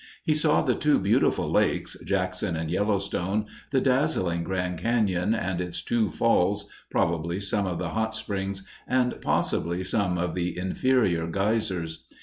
He saw the two beautiful lakes, Jackson and Yellowstone, the dazzling Grand Cañon and its two falls, probably some of the hot springs, and possibly some of the inferior geysers.